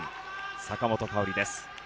坂本花織です。